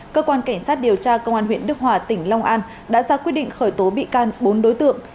cơ quan cảnh sát điều tra công an huyện đức hòa tỉnh long an đã ra quyết định khởi tố bị can bốn đối tượng